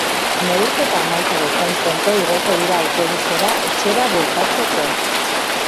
Neurketa amaitu bezain pronto igoko dira autobusera etxera bueltatzeko.